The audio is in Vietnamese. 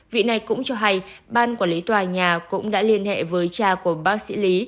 vị này cũng cho hay ban quản lý tòa nhà cũng đã liên hệ với cha của bác sĩ lý